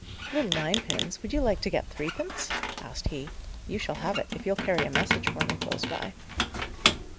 "Little ninepins, would you like to get threepence?" asked he. "You shall have it, if you'll carry a message for me close by."